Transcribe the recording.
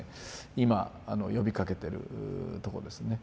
今呼びかけてるとこですね。